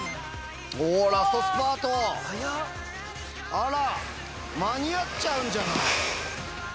あら間に合っちゃうんじゃない。